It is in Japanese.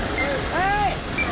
はい！